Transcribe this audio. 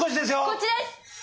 こっちです！